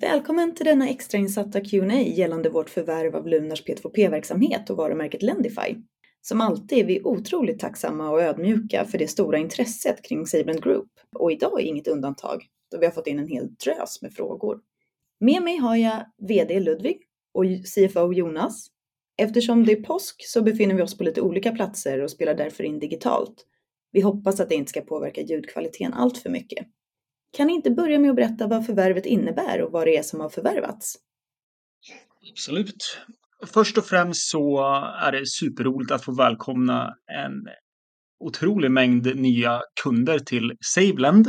Välkommen till denna extrainsatta Q&A gällande vårt förvärv av Lunar's P2P-verksamhet och varumärket Lendify. Som alltid är vi otroligt tacksamma och ödmjuka för det stora intresset kring SaveLend Group och i dag är inget undantag då vi har fått in en hel drös med frågor. Med mig har jag VD Ludvig och CFO Jonas. Eftersom det är påsk så befinner vi oss på lite olika platser och spelar därför in digitalt. Vi hoppas att det inte ska påverka ljudkvalitén alltför mycket. Kan ni inte börja med att berätta vad förvärvet innebär och vad det är som har förvärvats? Absolut. Först och främst så är det superroligt att få välkomna en otrolig mängd nya kunder till SaveLend.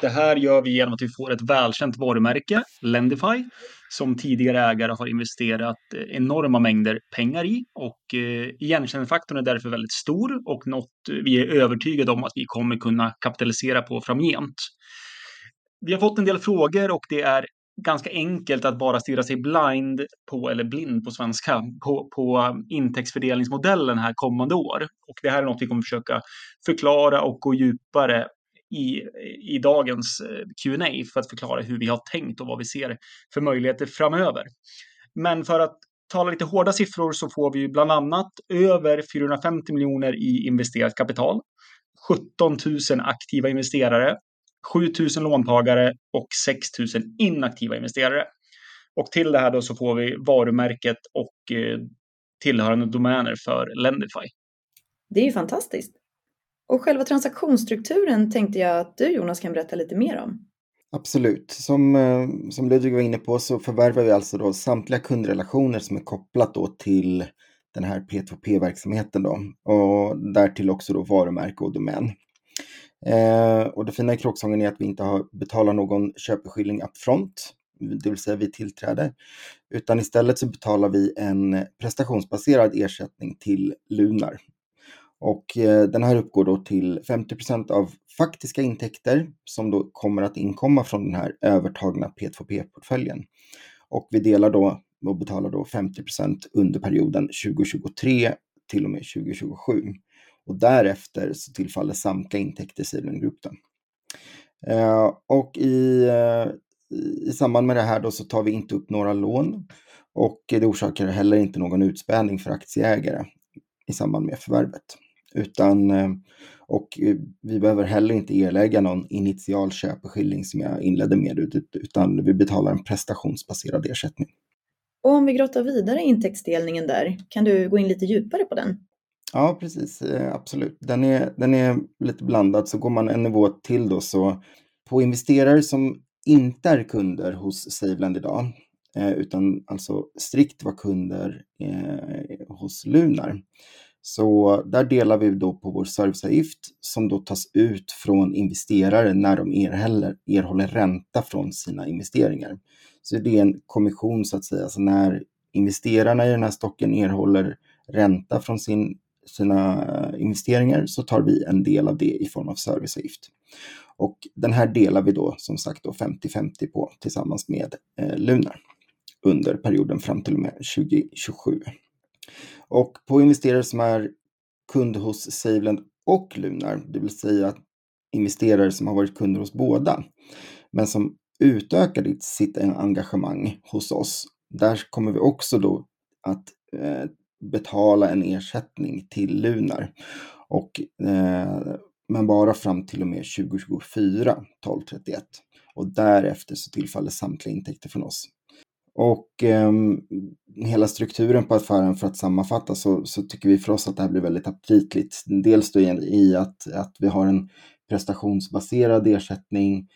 Det här gör vi genom att vi får ett välkänt varumärke, Lendify, som tidigare ägare har investerat enorma mängder pengar i och igenkänningsfaktorn är därför väldigt stor och något vi är övertygade om att vi kommer kunna kapitalisera på framgent. Vi har fått en del frågor och det är ganska enkelt att bara stirra sig blind på, eller blind på svenska, på intäktsfördelningsmodellen här kommande år. Det här är något vi kommer försöka förklara och gå djupare i dagens Q&A för att förklara hur vi har tänkt och vad vi ser för möjligheter framöver. För att tala lite hårda siffror så får vi bland annat över SEK 450 million i investerat kapital, 17,000 aktiva investerare, 7,000 låntagare och 6,000 inaktiva investerare. Till det här då så får vi varumärket och tillhörande domäner för Lendify. Det är ju fantastiskt. Själva transaktionsstrukturen tänkte jag att du Jonas kan berätta lite mer om. Absolut. Som Ludvig var inne på så förvärvar vi alltså då samtliga kundrelationer som är kopplat då till den här P2P-verksamheten då. Därtill också då varumärke och domän. Det fina i kråksången är att vi inte har betalar någon köpeskilling upfront, det vill säga vid tillträde, utan istället så betalar vi en prestationsbaserad ersättning till Lunar. Den här uppgår då till 50% av faktiska intäkter som då kommer att inkomma från den här övertagna P2P-portföljen. Vi delar då och betalar då 50% under perioden 2023-2027. Därefter så tillfaller samtliga intäkter SaveLend Group då. I samband med det här då så tar vi inte upp några lån och det orsakar heller inte någon utspädning för aktieägare i samband med förvärvet. Utan, vi behöver heller inte erlägga någon initial köpeskilling som jag inledde med, utan vi betalar en prestationsbaserad ersättning. Om vi grottar vidare i intäktsdelningen där, kan du gå in lite djupare på den? Ja, precis, absolut. Den är lite blandad. Går man en nivå till då så på investerare som inte är kunder hos SaveLend i dag, utan alltså strikt var kunder hos Lunar. Där delar vi då på vår serviceavgift som då tas ut från investerare när de erhåller ränta från sina investeringar. Det är en kommission så att säga. När investerarna i den här stocken erhåller ränta från sina investeringar så tar vi en del av det i form av serviceavgift. Den här delar vi då som sagt då 50-50 på tillsammans med Lunar under perioden fram till och med 2027. På investerare som är kund hos SaveLend och Lunar, det vill säga investerare som har varit kunder hos båda, men som utökar sitt engagemang hos oss. Där kommer vi också då att betala en ersättning till Lunar och. Bara fram till och med 12/31/2024. Därefter så tillfaller samtliga intäkter från oss. Hela strukturen på affären för att sammanfatta så tycker vi för oss att det här blir väldigt aptitligt. Dels då i att vi har en prestationsbaserad ersättning,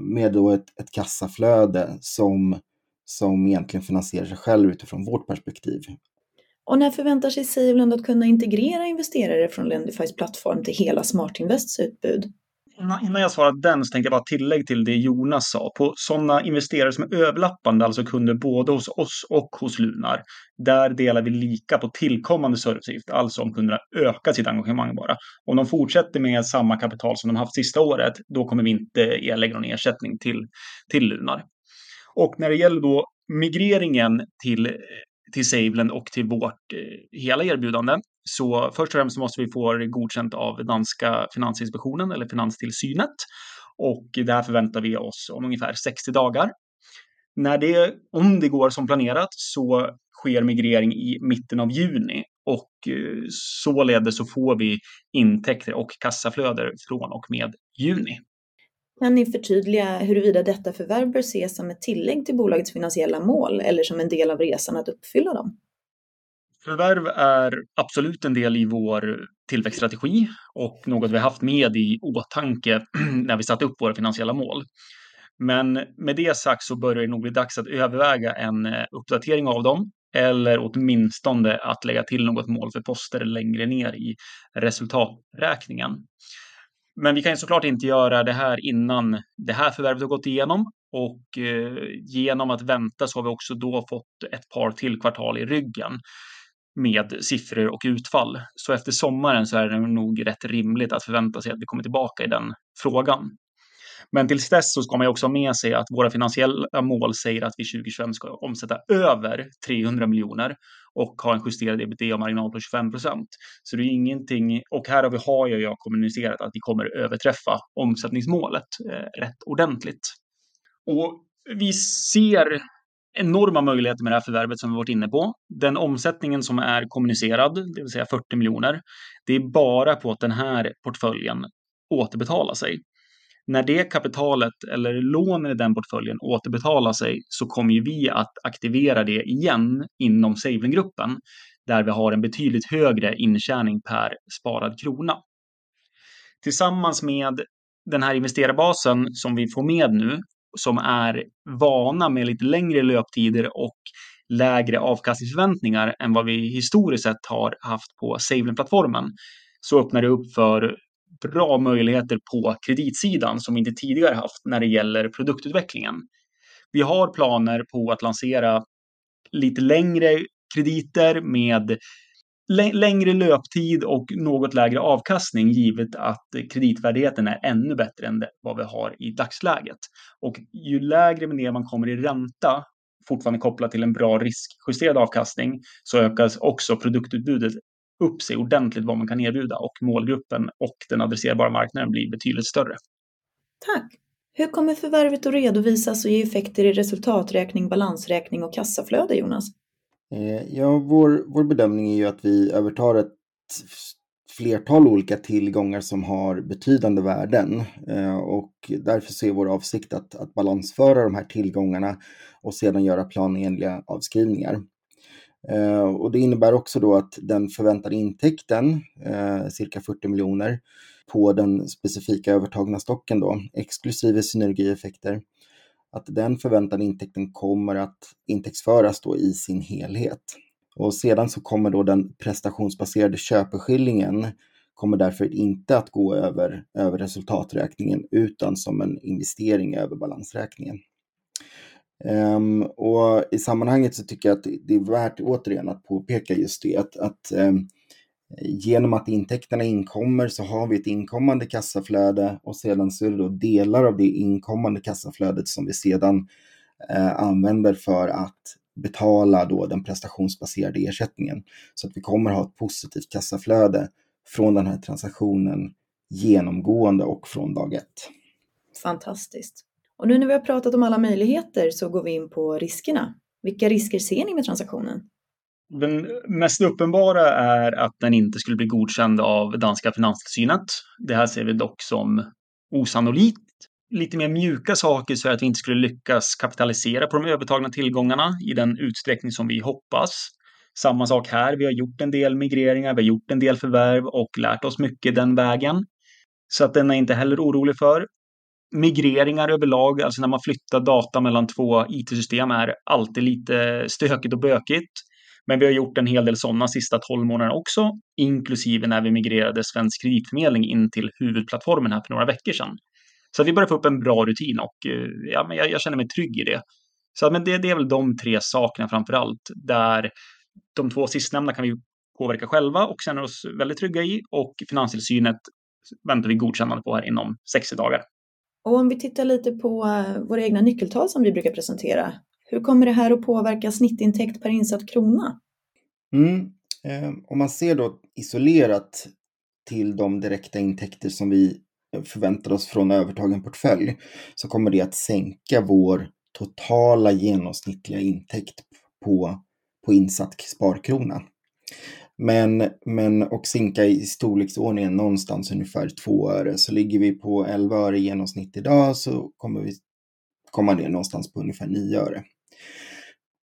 med då ett kassaflöde som egentligen finansierar sig själv utifrån vårt perspektiv. När förväntar sig SaveLend att kunna integrera investerare från Lendifys plattform till hela SmartInvests utbud? Innan jag svarar den tänker jag bara tillägg till det Jonas sa. På sådana investerare som är överlappande, alltså kunder både hos oss och hos Lunar, där delar vi lika på tillkommande serviceavgift, alltså om kunderna ökar sitt engagemang bara. Om de fortsätter med samma kapital som de haft sista året, då kommer vi inte erlägga någon ersättning till Lunar. När det gäller då migreringen till SaveLend och till vårt hela erbjudande, så först och främst måste vi få det godkänt av danska Finanstilsynet eller Finanstilsynet. Där förväntar vi oss om ungefär 60 dagar. Om det går som planerat så sker migrering i mitten av juni och således så får vi intäkter och kassaflöden från och med juni. Kan ni förtydliga huruvida detta förvärv bör ses som ett tillägg till bolagets finansiella mål eller som en del av resan att uppfylla dem? Förvärv är absolut en del i vår tillväxtstrategi och något vi haft med i åtanke när vi satte upp våra finansiella mål. Med det sagt så bör det nog bli dags att överväga en uppdatering av dem, eller åtminstone att lägga till något mål för poster längre ner i resultaträkningen. Vi kan så klart inte göra det här innan det här förvärvet har gått igenom och genom att vänta så har vi också då fått ett par till kvartal i ryggen med siffror och utfall. Efter sommaren så är det nog rätt rimligt att förvänta sig att vi kommer tillbaka i den frågan. Tills dess så ska man ju också ha med sig att våra finansiella mål säger att vi 2020 ska omsätta över SEK 300 million och ha en justerad EBITDA-marginal på 25%. Det är ingenting... Härovid har jag ju kommunicerat att vi kommer överträffa omsättningsmålet rätt ordentligt. Vi ser enorma möjligheter med det här förvärvet som vi har varit inne på. Den omsättningen som är kommunicerad, det vill säga SEK 40 miljoner, det är bara på att den här portföljen återbetalar sig. När det kapitalet eller lån i den portföljen återbetalar sig så kommer ju vi att aktivera det igen inom SaveLend Group, där vi har en betydligt högre intjäning per sparad krona. Tillsammans med den här investerarbasen som vi får med nu, som är vana med lite längre löptider och lägre avkastningsförväntningar än vad vi historiskt sett har haft på SaveLend-plattformen, så öppnar det upp för bra möjligheter på kreditsidan som vi inte tidigare haft när det gäller produktutvecklingen. Vi har planer på att lansera lite längre krediter med längre löptid och något lägre avkastning, givet att kreditvärdigheten är ännu bättre än vad vi har i dagsläget. Ju lägre ner man kommer i ränta, fortfarande kopplat till en bra riskjusterad avkastning, så ökas också produktutbudet upp sig ordentligt vad man kan erbjuda och målgruppen och den adresserbara marknaden blir betydligt större. Tack. Hur kommer förvärvet att redovisas och ge effekter i resultaträkning, balansräkning och kassaflöde, Jonas? Ja vår bedömning är ju att vi övertar ett flertal olika tillgångar som har betydande värden. Därför så är vår avsikt att balansföra de här tillgångarna och sedan göra planenliga avskrivningar. Det innebär också då att den förväntade intäkten, cirka SEK 40 million på den specifika övertagna stocken då, exklusiv synergieffekter, att den förväntade intäkten kommer att intäktsföras då i sin helhet. Sedan så kommer då den prestationsbaserade köpeskillingen därför inte att gå över resultaträkningen utan som en investering över balansräkningen. I sammanhanget så tycker jag att det är värt återigen att påpeka just det, att genom att intäkterna inkommer så har vi ett inkommande kassaflöde och sedan så är det då delar av det inkommande kassaflödet som vi sedan använder för att betala då den prestationsbaserade ersättningen. Vi kommer att ha ett positivt kassaflöde från den här transaktionen genomgående och från dag ett. Fantastiskt. Nu när vi har pratat om alla möjligheter så går vi in på riskerna. Vilka risker ser ni med transaktionen? Den mest uppenbara är att den inte skulle bli godkänd av danska Finanstilsynet. Det här ser vi dock som osannolikt. Lite mer mjuka saker så är det att vi inte skulle lyckas kapitalisera på de övertagna tillgångarna i den utsträckning som vi hoppas. Samma sak här, vi har gjort en del migreringar, vi har gjort en del förvärv och lärt oss mycket den vägen. Att den är inte heller orolig för. Migreringar överlag, alltså när man flyttar data mellan två it-system är alltid lite stökigt och bökigt. Vi har gjort en hel del sådana sista 12 månader också, inklusive när vi migrerade svensk kreditförmedling in till huvudplattformen här för några veckor sedan. Vi börjar få upp en bra rutin och, ja jag känner mig trygg i det. Det är väl de tre sakerna framför allt, där de två sistnämnda kan vi påverka själva och känner oss väldigt trygga i och Finanstilsynet väntar vi godkännande på här inom 60 dagar. Om vi tittar lite på våra egna nyckeltal som vi brukar presentera, hur kommer det här att påverka snittintäkt per insatt krona? Om man ser då isolerat till de direkta intäkter som vi förväntar oss från övertagen portfölj, så kommer det att sänka vår totala genomsnittliga intäkt på insatt sparkrona. Och sänka i storleksordningen någonstans ungefär 2 öre. Ligger vi på 11 öre i genomsnitt i dag så kommer vi komma ner någonstans på ungefär 9 öre.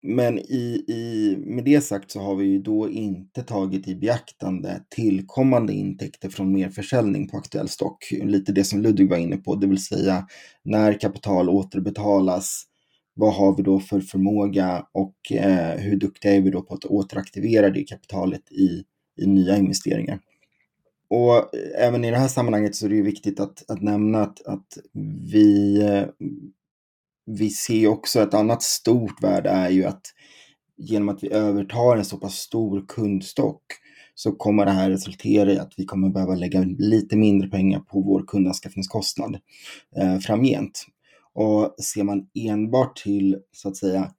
Med det sagt så har vi ju då inte tagit i beaktande tillkommande intäkter från merförsäljning på aktuell stock. Lite det som Ludvig var inne på, det vill säga när kapital återbetalas, vad har vi då för förmåga och hur duktiga är vi då på att återaktivera det kapitalet i nya investeringar? Även i det här sammanhanget så är det ju viktigt att nämna att vi ser också ett annat stort värde är ju att genom att vi övertar en så pass stor kundstock så kommer det här resultera i att vi kommer behöva lägga lite mindre pengar på vår kundanskaffningskostnad framgent. Ser man enbart till så att säga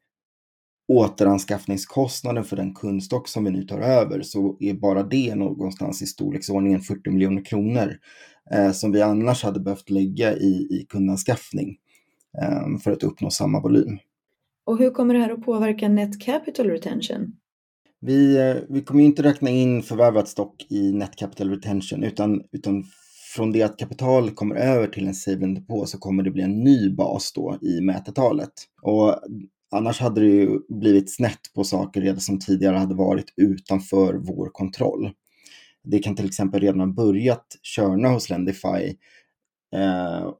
återanskaffningskostnaden för den kundstock som vi nu tar över så är bara det någonstans i storleksordningen SEK 40 million som vi annars hade behövt lägga i kundanskaffning för att uppnå samma volym. Hur kommer det här att påverka net capital retention? Vi kommer inte räkna in förvärvat stock i net capital retention, utan från det att kapital kommer över till en SaveLend-depå så kommer det bli en ny bas då i mätetalet. Annars hade det ju blivit snett på saker redan som tidigare hade varit utanför vår kontroll. Det kan till exempel redan ha börjat köra hos Lendify,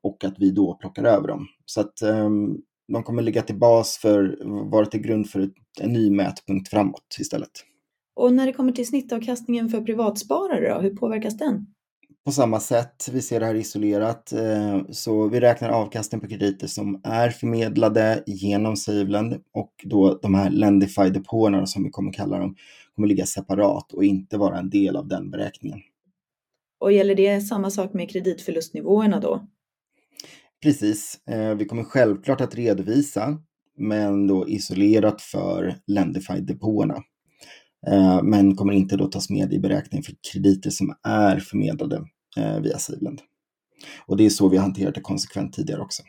och att vi då plockar över dem. De kommer ligga till bas för, vara till grund för en ny mätpunkt framåt istället. När det kommer till snittavkastningen för privatsparare då, hur påverkas den? På samma sätt. Vi ser det här isolerat, så vi räknar avkastning på krediter som är förmedlade genom SaveLend och då de här Lendify-depåerna som vi kommer kalla dem, kommer ligga separat och inte vara en del av den beräkningen. Gäller det samma sak med kreditförlustnivåerna då? Precis. Vi kommer självklart att redovisa, men då isolerat för Lendify-depåerna. Men kommer inte då tas med i beräkningen för krediter som är förmedlade, via SaveLend. Det är så vi har hanterat det konsekvent tidigare också.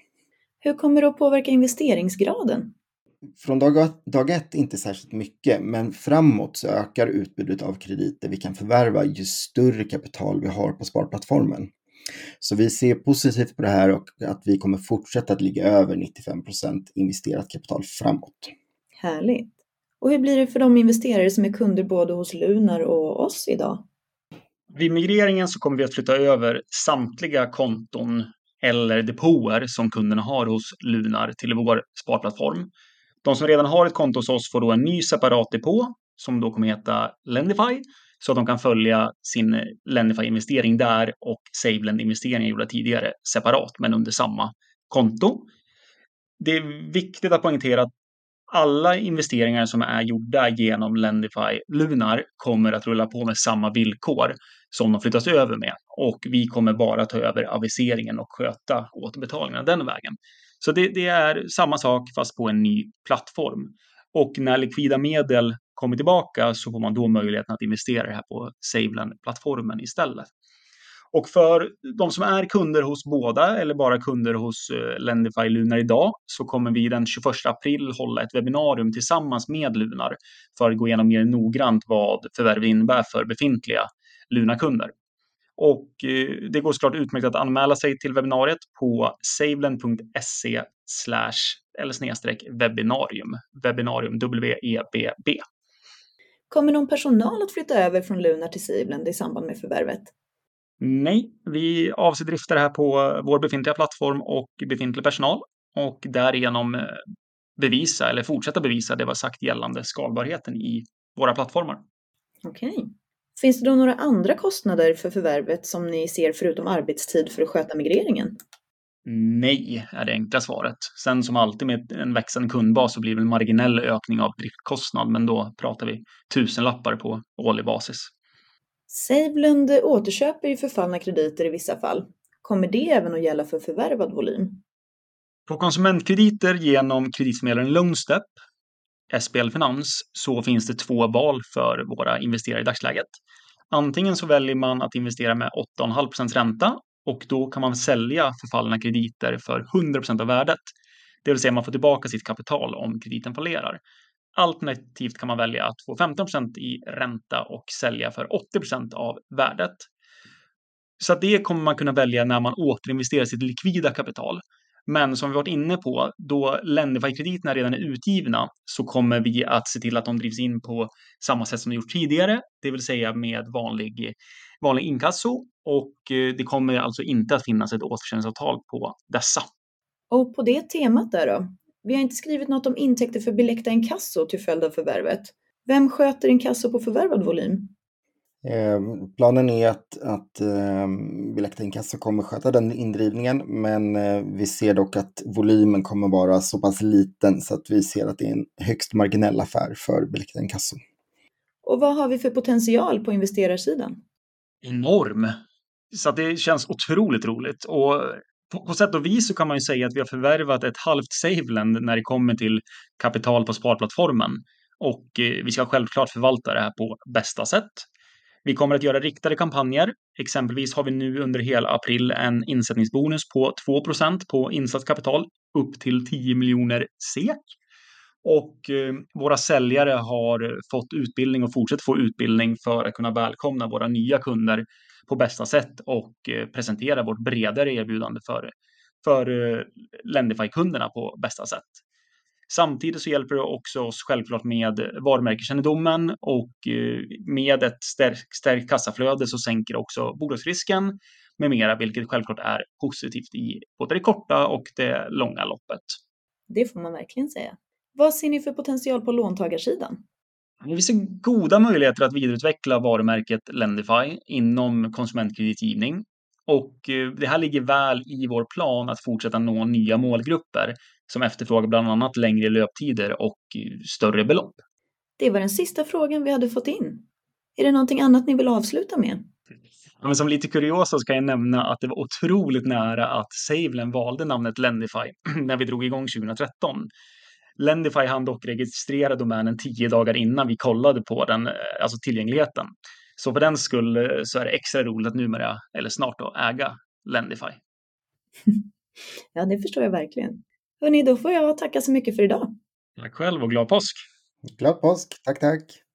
Hur kommer det att påverka investeringsgraden? Från dag ett, dag ett inte särskilt mycket, men framåt så ökar utbudet av krediter vi kan förvärva ju större kapital vi har på sparplattformen. Vi ser positivt på det här och att vi kommer fortsätta att ligga över 95% investerat kapital framåt. Härligt. Hur blir det för de investerare som är kunder både hos Lunar och oss idag? Vid migreringen kommer vi att flytta över samtliga konton eller depåer som kunderna har hos Lunar till vår sparplattform. De som redan har ett konto hos oss får då en ny separat depå som då kommer heta Lendify så att de kan följa sin Lendify-investering där och SaveLend-investeringar gjorda tidigare separat, men under samma konto. Det är viktigt att poängtera att alla investeringar som är gjorda genom Lendify Lunar kommer att rulla på med samma villkor som de flyttas över med och vi kommer bara ta över aviseringen och sköta återbetalningarna den vägen. Det är samma sak fast på en ny plattform. När likvida medel kommer tillbaka så får man då möjligheten att investera här på SaveLend-plattformen istället. För de som är kunder hos båda eller bara kunder hos Lendify Lunar i dag så kommer vi den 21st April hålla ett webbinarium tillsammans med Lunar för att gå igenom mer noggrant vad förvärvet innebär för befintliga Lunarkunder. Det går så klart utmärkt att anmäla sig till webbinariet på SaveLend.se slash eller snedstreck webbinarium, W-E-B-B. Kommer någon personal att flytta över från Lunar till SaveLend i samband med förvärvet? Nej, vi avser drifta det här på vår befintliga plattform och befintlig personal och därigenom bevisa eller fortsätta bevisa det vi har sagt gällande skalbarheten i våra plattformar. Okay, finns det då några andra kostnader för förvärvet som ni ser förutom arbetstid för att sköta migreringen? Nej, är det enkla svaret. Som alltid med en växande kundbas så blir det en marginell ökning av driftkostnad, men då pratar vi tusenlappar på årlig basis. SaveLend återköper ju förfallna krediter i vissa fall. Kommer det även att gälla för förvärvad volym? På konsumentkrediter genom kreditmedlaren LoanStep, SBL Finans, finns det två val för våra investerare i dagsläget. Antingen väljer man att investera med 8.5% ränta, då kan man sälja förfallna krediter för 100% av värdet. Det vill säga man får tillbaka sitt kapital om krediten fallerar. Alternativt kan man välja att få 15% i ränta och sälja för 80% av värdet. Det kommer man kunna välja när man återinvesterar sitt likvida kapital. Som vi varit inne på, då Lendify-krediterna redan är utgivna så kommer vi att se till att de drivs in på samma sätt som vi gjort tidigare. Det vill säga med vanlig inkasso och det kommer alltså inte att finnas ett återköpsavtal på dessa. På det temat där då. Vi har inte skrivit något om intäkter för Billecta inkasso till följd av förvärvet. Vem sköter inkasso på förvärvad volym? Planen är att Billecta Inkasso kommer sköta den indrivningen, men vi ser dock att volymen kommer vara så pass liten så att vi ser att det är en högst marginell affär för Billecta Inkasso. Vad har vi för potential på investerarsidan? Enorm. Det känns otroligt roligt. På sätt och vis så kan man ju säga att vi har förvärvat ett halvt SaveLend när det kommer till kapital på SaveLend-plattformen. Vi ska självklart förvalta det här på bästa sätt. Vi kommer att göra riktade kampanjer. Exempelvis har vi nu under hela april en insättningsbonus på 2% på insatt kapital upp till SEK 10 million. Våra säljare har fått utbildning och fortsätter få utbildning för att kunna välkomna våra nya kunder på bästa sätt och presentera vårt bredare erbjudande för Lendify-kunderna på bästa sätt. Samtidigt hjälper det också oss självklart med varumärkeskännedomen och med ett stärkt kassaflöde så sänker också bolånerisken med mera, vilket självklart är positivt i både det korta och det långa loppet. Det får man verkligen säga. Vad ser ni för potential på låntagarsidan? Vi ser goda möjligheter att vidareutveckla varumärket Lendify inom konsumentkreditgivning och det här ligger väl i vår plan att fortsätta nå nya målgrupper som efterfrågar bland annat längre löptider och större belopp. Det var den sista frågan vi hade fått in. Är det någonting annat ni vill avsluta med? Som lite kuriosa så kan jag nämna att det var otroligt nära att SaveLend valde namnet Lendify när vi drog i gång 2013. Lendify hann dock registrera domänen 10 dagar innan vi kollade på den, alltså tillgängligheten. För den skull så är det extra roligt att numera, eller snart, att äga Lendify. Ja, det förstår jag verkligen. Hörni, då får jag tacka så mycket för i dag. Tack själv och glad påsk. Glad påsk. Tack, tack.